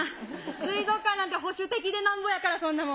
水族館なんて、保守的でなんぼやから、そんなもん。